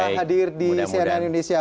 selamat hadir di cnn indonesia